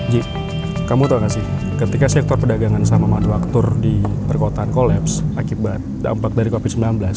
ji kamu tahu gak sih ketika sektor perdagangan sama manufaktur di perkotaan kolaps akibat dampak dari covid sembilan belas